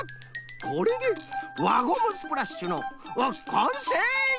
これで輪ゴムスプラッシュのあっかんせい！